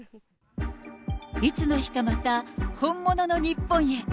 いつの日かまた、本物の日本へ。